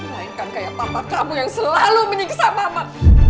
mainkan kayak papa kamu yang selalu menyiksa mama